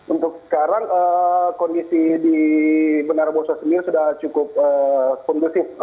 untuk sekarang kondisi di bandara moso sendiri sudah cukup kondusif